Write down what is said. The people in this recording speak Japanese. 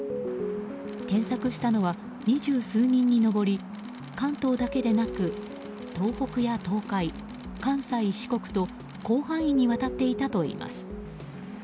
検索したのは二十数人に上り関東だけでなく、東北や東海関西、四国と広範囲にわたっていたといいます。